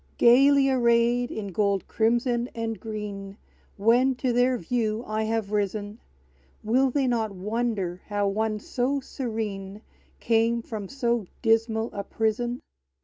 Gayly arrayed in gold, crimson, and green, When to their view I have risen; Will they not wonder how one so serene Came from so dismal a prison?